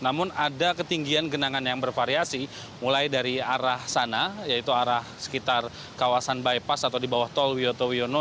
dan ada ketinggian genangan yang bervariasi mulai dari arah sana yaitu arah sekitar kawasan bypass atau di bawah tol wioto wiono